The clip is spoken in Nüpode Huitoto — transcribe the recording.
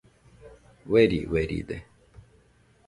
Ueri ueride